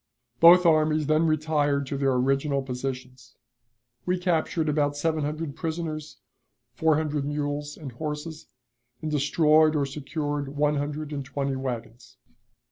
Both armies then retired to their original positions. We captured about seven hundred prisoners, four hundred mules and horses, and destroyed or secured one hundred and twenty wagons.